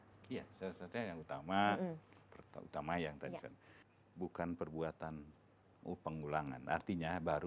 iya syarat syaratnya yang utama bukan perbuatan pengulangan